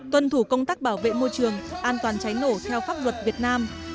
tuân thủ công tác bảo vệ môi trường an toàn cháy nổ theo pháp luật việt nam